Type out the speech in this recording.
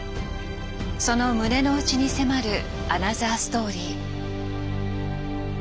その胸の内に迫るアナザーストーリー。